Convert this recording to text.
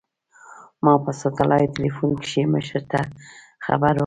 ما په سټلايټ ټېلفون کښې مشر ته خبر وركړ.